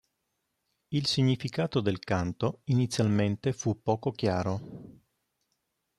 Il significato del canto inizialmente fu poco chiaro.